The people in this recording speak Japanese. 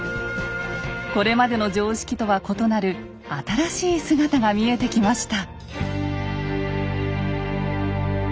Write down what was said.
これまでの常識とは異なる新しい姿が見えてきました。